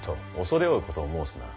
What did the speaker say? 畏れ多いことを申すな。